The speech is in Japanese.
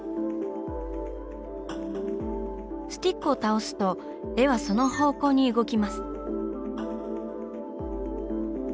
スティックを倒すと絵はその方向に動きます。